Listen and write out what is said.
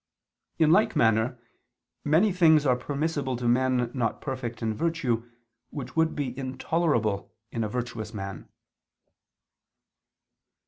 In like manner many things are permissible to men not perfect in virtue, which would be intolerable in a virtuous man.